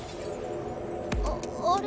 ああれ？